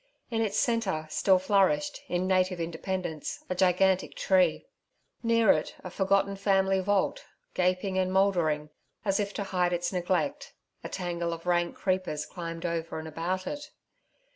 In its centre still flourished, in native independence, a gigantic tree. Near it a forgotten family vault, gaping and mouldering: as if to hide its neglect, a tangle of rank creepers climbed over and about it.